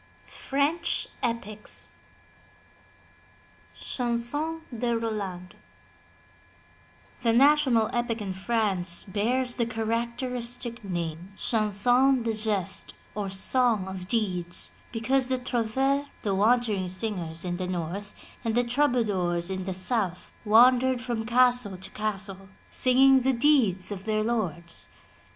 ^FRENCH EPICS CHANSON DE ROLAND The national epic in France bears the characteristic name. Chanson de GestCy or Song of Deeds, because the irouvereSy the wandering singers in the north, and the troubadours in the south, wandered from castle to castle singing the deeds of their lords.